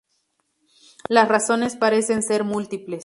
Las razones parecen ser múltiples.